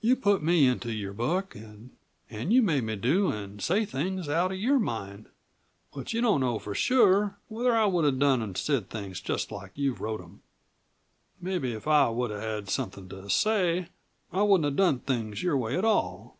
"You've put me into your book, an' you've made me do an' say things out of your mind. But you don't know for sure whether I would have done an' said things just like you've wrote them. Mebbe if I would have had somethin' to say I wouldn't have done things your way at all."